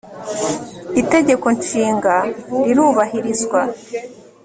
i tegeko nshinga rirubahirizwa.